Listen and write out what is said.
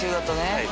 はい。